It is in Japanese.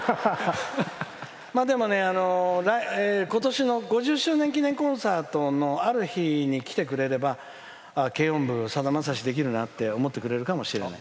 でもね、今年の５０周年記念コンサートのある日に来てくれれば軽音部、さだまさしできるなって思ってくれるかもしれない。